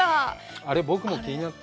あれ、僕も気になった。